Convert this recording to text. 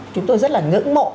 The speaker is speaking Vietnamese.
chúng tôi rất là ngưỡng mộ